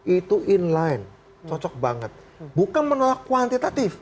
itu in line cocok banget bukan menolak kuantitatif